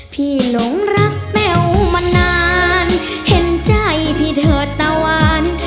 หลงรักแมวมานานเห็นใจพี่เถิดตะวัน